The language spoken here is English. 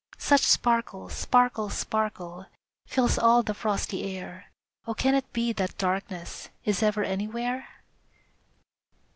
Such sparkle, sparkle, sparkle Fills all the frosty air, Oh, can it be that darkness Is ever anywhere!